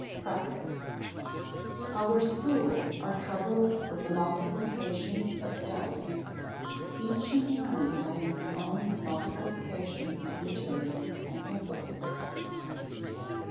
PREFACE Our schools are troubled with a multiplication of studies, each in turn having its own multiplication of materials and principles.